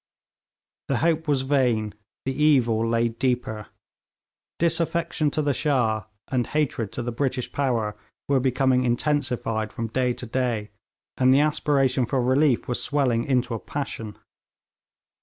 The hope was vain, the evil lay deeper; disaffection to the Shah and hatred to the British power were becoming intensified from day to day, and the aspiration for relief was swelling into a passion.